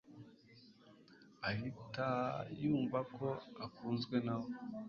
ahita yumva ko akunzwe nawe,